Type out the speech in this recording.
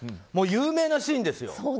有名なシーンですよ。